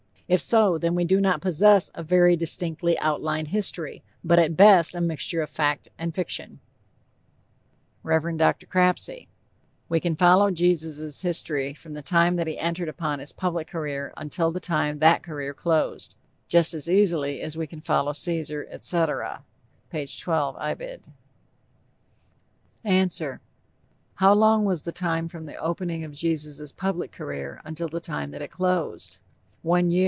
If so, then we do not possess "a very distinctly outlined history," but at best a mixture of fact and fiction. REV. DR. CRAPSEY: "We can follow Jesus' history from the time that he entered upon his public career until the time that career closed, just as easily as we can follow Caesar, etc." (P. 12, Ibid.) ANSWER: How long was "the time from the opening of Jesus' public career until the time that it closed?" One year!